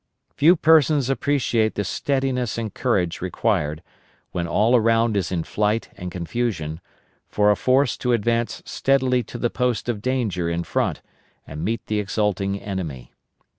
Few persons appreciate the steadiness and courage required, when all around is in flight and confusion, for a force to advance steadily to the post of danger in front and meet the exulting enemy.